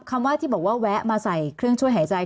คำว่าที่บอกว่าแวะมาใส่เครื่องช่วยหายใจ